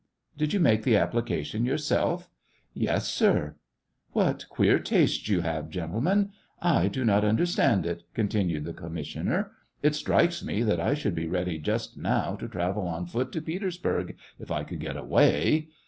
" Did you make the application yourself }"" Yes, sir." " What queer tastes you have, gentlemen ! I do not understand it !" continued the commis sioner. " It strikes me that I should be ready just now to travel on foot to Petersburg, if I could get away.